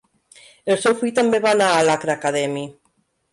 El seu fill també va anar a l'Accra Academy.